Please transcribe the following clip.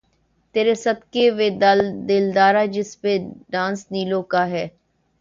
''تیرے صدقے وے دلدارا‘‘ جس پہ ڈانس نیلو کا ہے۔